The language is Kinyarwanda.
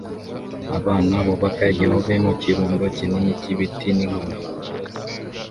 Abana bubaka igihome mu kirundo kinini cy'ibiti n'inkoni